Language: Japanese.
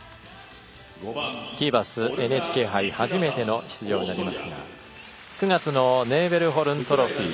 キーバス、ＮＨＫ杯初めての出場になりますが９月のネーベルホルントロフィー。